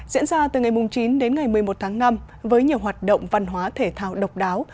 diễn ra từ ngày chín đến ngày một mươi một tháng năm với nhiều hoạt động văn hóa thể thao độc đáo